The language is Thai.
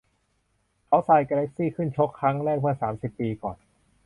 เขาทราย แกแล็คซี่ ขึ้นชกครั้งแรกเมื่อสามสิบปีก่อน